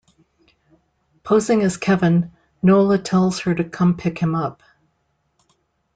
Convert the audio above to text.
Posing as Kevin, Nola tells her to come pick him up.